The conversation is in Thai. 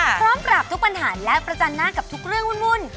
พร้อมปราบทุกปัญหาและประจันหน้ากับทุกเรื่องวุ่น